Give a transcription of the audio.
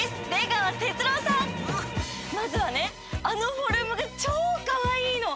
まずはねあのフォルムがちょうかわいいの！